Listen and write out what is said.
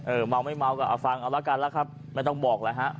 เออเม้าไม่เม้าก็เอาฟังเอาละกันล่ะครับไม่ต้องบอกเลยฮะ